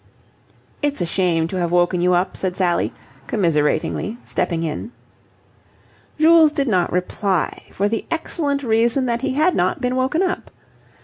"It's a shame to have woken you up," said Sally, commiseratingly, stepping in. Jules did not reply, for the excellent reason that he had not been woken up.